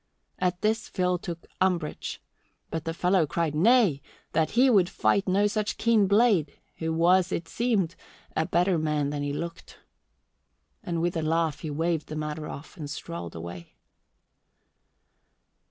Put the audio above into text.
At this Phil took umbrage; but the fellow cried Nay, that he would fight no such keen blade, who was, it seemed, a better man than he looked. And with a laugh he waved the matter off and strolled away.